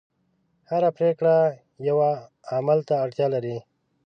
هره پرېکړه یوه عمل ته اړتیا لري.